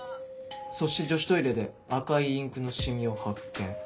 そして女子トイレで赤いインクの染みを発見。